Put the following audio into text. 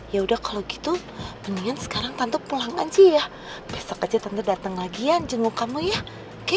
ya udah kalo gitu mendingan sekarang tante pulang aja ya besok aja tante dateng lagi ya jenguk kamu ya oke